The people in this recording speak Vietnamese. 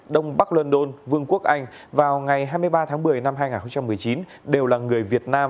đông bắc london vương quốc anh vào ngày hai mươi ba tháng một mươi năm hai nghìn một mươi chín đều là người việt nam